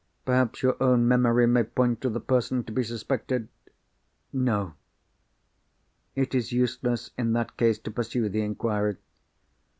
Perhaps your own memory may point to the person to be suspected." "No." "It is useless, in that case, to pursue the inquiry.